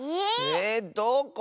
えどこ？